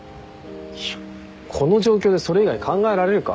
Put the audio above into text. いやこの状況でそれ以外考えられるか？